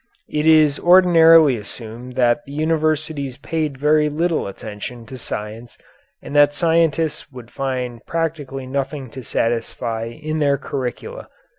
It is ordinarily assumed that the universities paid very little attention to science and that scientists would find practically nothing to satisfy in their curricula.